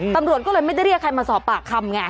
ตำรวจก็เลยไม่ได้เรียกใครมาสอบปากคำไง